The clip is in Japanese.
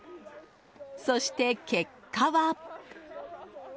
そして結果は。